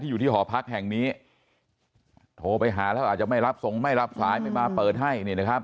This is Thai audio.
อยู่ที่หอพักแห่งนี้โทรไปหาแล้วอาจจะไม่รับส่งไม่รับสายไม่มาเปิดให้